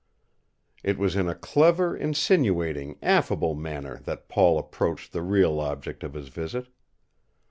It was in a clever, insinuating, affable manner that Paul approached the real object of his visit.